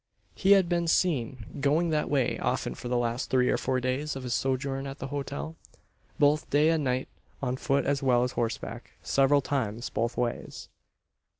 He had been seen going that way often for the last three or four days of his sojourn at the hotel both by day and night on foot as well as horseback several times both ways.